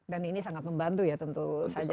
dan ini sangat membantu ya tentu saja